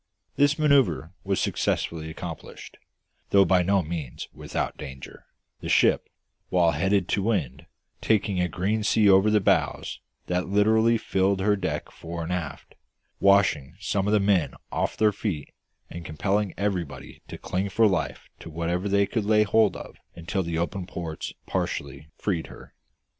This manoeuvre was successfully accomplished, though by no means without danger, the ship, while head to wind, taking a green sea over the bows that literally filled her decks fore and aft, washing some of the men off their feet and compelling everybody to cling for life to whatever they could lay hold of until the open ports partially freed her.